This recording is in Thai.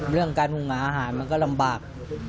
เรื่องการหุงหาอาหารมันก็ลำบาก